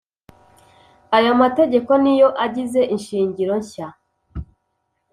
Aya mategeko niyo agize inshingiro nshya